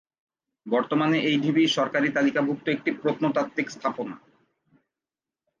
বর্তমানে এই ঢিবি সরকারি তালিকাভুক্ত একটি প্রত্নতাত্ত্বিক স্থাপনা।